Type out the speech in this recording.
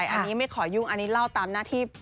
อันนี้ไม่ขอยุ่งอันนี้เล่าตามหน้าที่